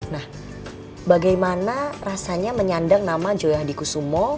nah bagaimana rasanya menyandang nama joyohadikusumo